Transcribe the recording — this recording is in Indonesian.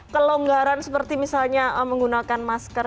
kelonggaran seperti misalnya menggunakan masker